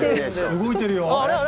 動いてるよ。